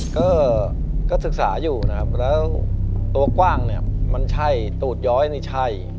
ก็ศึกษาอยู่นะครับแล้วตัวกว้างเนี่ยมันใช่ตูดย้อยนี่ใช่